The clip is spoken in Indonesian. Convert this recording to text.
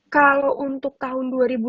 kalau untuk tahun dua ribu dua puluh